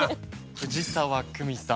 藤沢久美さん。